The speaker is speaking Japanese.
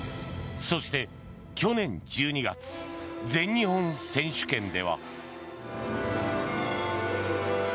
そして、去年１２月全日本選手権では。